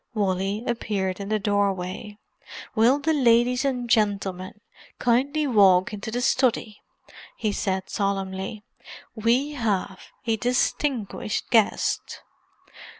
Wally appeared in the doorway. "Will the ladies and gentlemen kindly walk into the study?" he said solemnly. "We have a distinguished guest."